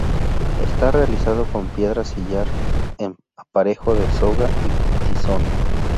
Está realizado con piedra sillar en aparejo de soga y tizón.